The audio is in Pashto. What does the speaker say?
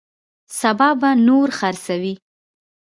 سبا به نور خرڅوي.